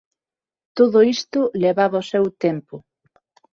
Todo isto levaba o seu tempo.